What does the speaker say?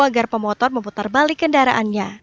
agar pemotor memutar balik kendaraannya